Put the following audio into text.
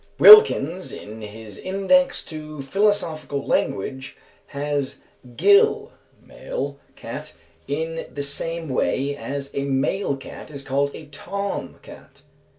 Wilkins, in his "Index to Philosophical Language," has "Gil" (male) cat in the same way as a male cat is called a "Tom" cat.